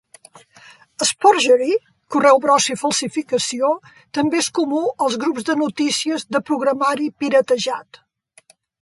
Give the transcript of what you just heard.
Sporgery (correu brossa i falsificació) també és comú als grups de notícies de programari piratejat.